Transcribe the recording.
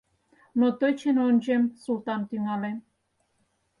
Но тӧчен ончемСултан тӱҥале.